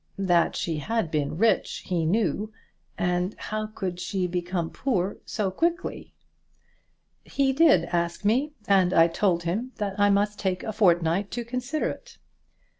That she had been rich he knew, and how could she have become poor so quickly? "He did ask me, and I told him that I must take a fortnight to consider of it."